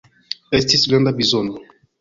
Estis granda bizono.